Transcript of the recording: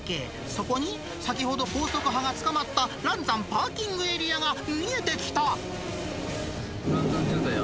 そこに、先ほど高速派がつかまった、嵐山パーキングエリアが見えてき嵐山渋滞だ。